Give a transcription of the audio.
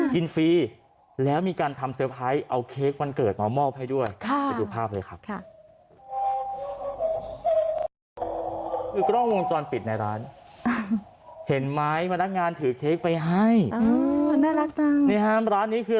กินฟรีแล้วมีการทำเซอร์ไพร์